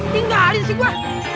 tinggalin sih gua